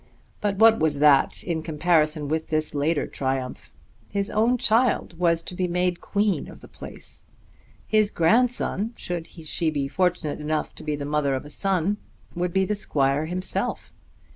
But what was that in comparison with this later triumph? His own child was to be made queen of the place! His grandson, should she be fortunate enough to be the mother of a son, would be the squire himself!